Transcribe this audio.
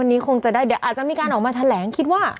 อันนี้คงจะได้เดี๋ยวอาจจะมีการออกมาแถลงคิดว่า